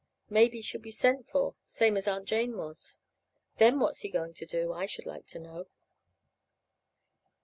Maybe she'll be sent for same as Aunt Jane was. Then what's he going to do, I should like to know?